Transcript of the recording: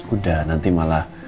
udah nanti malah